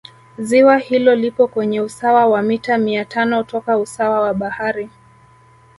Ziwa hilo lipo kwenye usawa wa mita mia tano toka usawa wa bahari